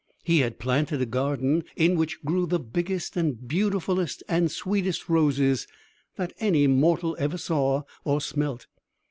He had planted a garden, in which grew the biggest and beautifullest and sweetest roses that any mortal ever saw or smelt.